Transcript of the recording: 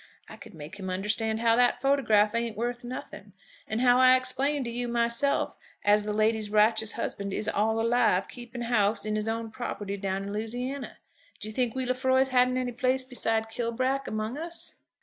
I could make him understand how that photograph ain't worth nothing, and how I explained to you myself as the lady's righteous husband is all alive, keeping house on his own property down in Louisiana. Do you think we Lefroys hadn't any place beside Kilbrack among us?"